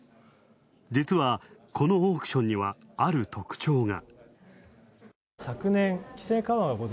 実はこのオークションにはある特徴が。